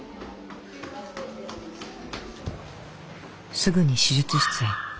すぐに手術室へ。